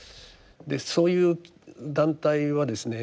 そういう団体はですね